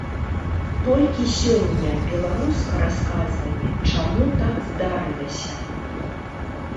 Толькі сёння беларуска расказвае, чаму так здарылася.